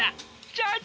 社長！